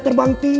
ada yang portok